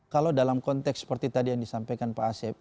kalau dalam konteks seperti tadi yang disampaikan pak asep